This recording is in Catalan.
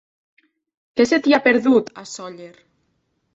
Què se t'hi ha perdut, a Sóller?